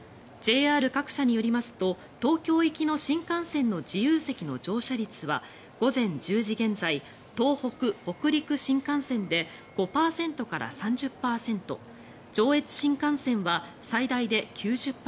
ＪＲ各社によりますと東京行きの新幹線の自由席の乗車率は午前１０時現在東北・北陸新幹線で５％から３０％上越新幹線は最大で９０％